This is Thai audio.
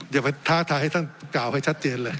อย่าไปท้าทายให้ท่านกล่าวให้ชัดเจนเลย